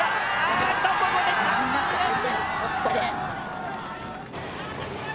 ああっとここで着水です。